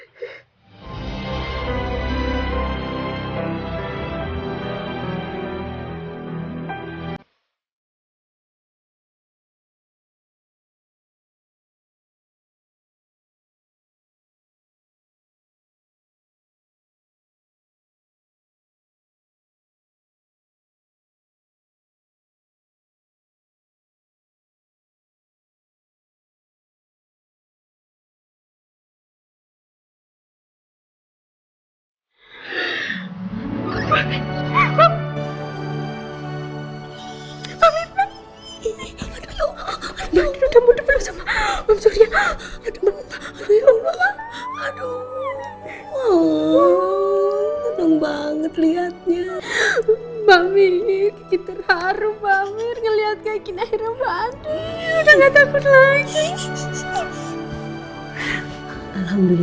papa gue bisa meluk kamu